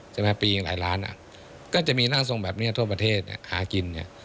ใช่ไหมปียังหลายล้านอ่ะก็จะมีร่างทรงแบบนี้ทั่วประเทศหากินเนี่ย